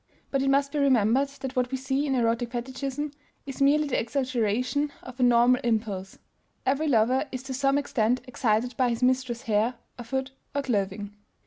But it must be remembered that what we see in erotic fetichism is merely the exaggeration of a normal impulse; every lover is to some extent excited by his mistress's hair, or foot, or clothing.